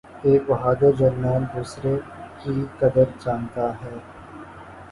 ایک بہادر جرنیل دوسرے کی قدر جانتا ہے